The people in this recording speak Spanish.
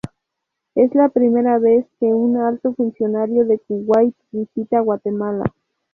Es la primera vez que un alto funcionario de Kuwait visita Guatemala.